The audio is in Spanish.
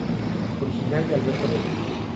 Original de Alberto Gómez.